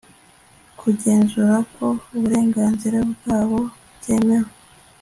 kugenzura ko uburenganzira bwabo bwemewe